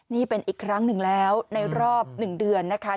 นี่เป็นอีกครั้งหนึ่งแล้วในรอบ๑เดือนนะคะ